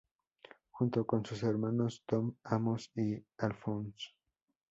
Junto con sus hermanos Tom, Amos y Alfons.